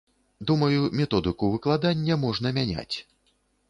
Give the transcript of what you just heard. Думаю, методыку выкладання можна мяняць.